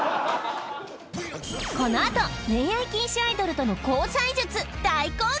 このあと恋愛禁止アイドルとの交際術大公開！